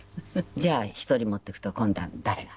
じゃあ１人持っていくと今度は誰が。